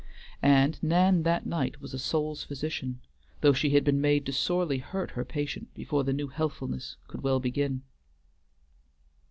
And Nan that night was a soul's physician, though she had been made to sorely hurt her patient before the new healthfulness could well begin.